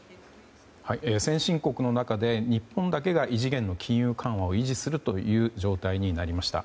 先進国の中で日本だけが異次元の金融緩和を維持するという状態になりました。